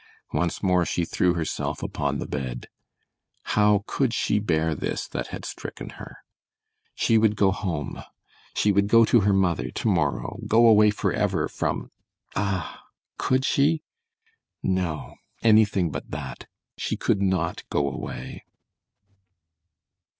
Once more she threw herself upon the bed. How could she bear this that had stricken her? She would go home. She would go to her mother to morrow. Go away forever from ah could she? No, anything but that! She could not go away.